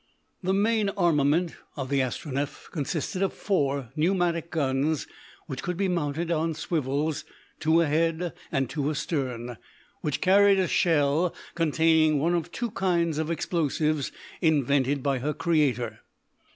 The main armament of the Astronef consisted of four pneumatic guns, which could be mounted on swivels, two ahead and two astern, which carried a shell containing either one of two kinds of explosives invented by her creator.